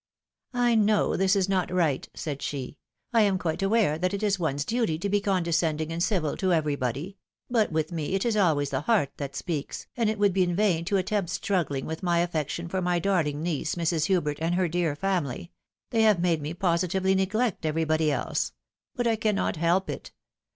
" I know this is not right," said she, " I am quite aware that it is one's duty to be condescending and civil to everybody ; but with me it is always the heart that speaks, and it would be in vain to attempt struggling vrith my affection for my darling niece, Mrs. Hubert, and her dear family — ^they have made me positively neglect everybody else ; but I cannot help it